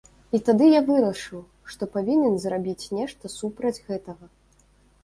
І тады я вырашыў, што павінен зрабіць нешта супраць гэтага.